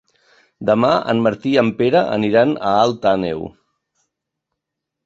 Demà en Martí i en Pere aniran a Alt Àneu.